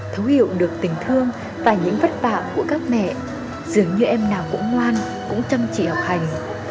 thấu hiểu được tình thương và những vất vả của các mẹ dường như em nào cũng ngoan cũng chăm chỉ học hành